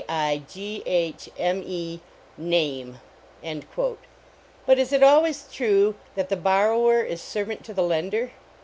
i, g, h. m, c, name! But, is it always true that the "borrower is servant to the lender?"